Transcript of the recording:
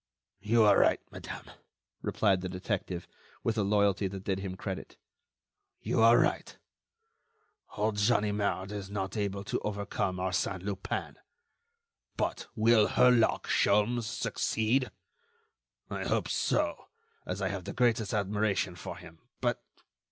"You are right, madame," replied the detective, with a loyalty that did him credit, "you are right. Old Ganimard is not able to overcome Arsène Lupin. But will Herlock Sholmes succeed? I hope so, as I have the greatest admiration for him. But